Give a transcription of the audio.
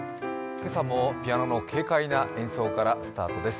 今朝もピアノの軽快な演奏からスタートです。